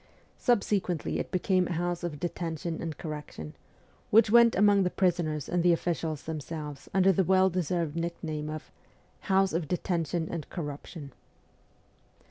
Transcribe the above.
Subsequently it became a house of detention and correction, which went among the prisoners and the officials themselves under the well deserved nickname of 'house of detention and corruption.'